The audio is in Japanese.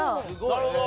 なるほど。